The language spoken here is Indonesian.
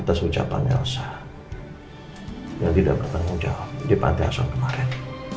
atas ucapan elsa yang tidak bertanggung jawab di pantai ason kemarin